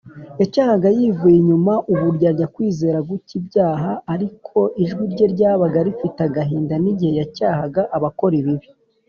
yacyahaga yivuye inyuma uburyarya, kwizera guke, ibyaha, ariko ijwi rye ryabaga rifite agahinda n’igihe yacyahaga abakora ibibi